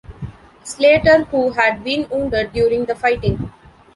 Slater who had been wounded during the fighting.